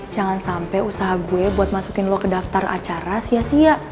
jangan sampai usaha gue buat masukin lo ke daftar acara sia sia